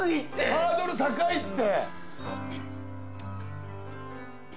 ハードル高いって！